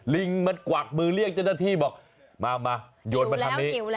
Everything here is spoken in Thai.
ลิงมันกวักมือเรียกเจ้าหน้าที่บอกมาโยนมาทางนี้